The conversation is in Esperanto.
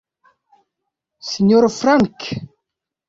Sinjoro Frank?